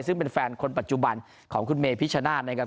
ซึ่งเป็นแฟนคนปัจจุบันของคุณเมพิชชนาธิ์นะครับ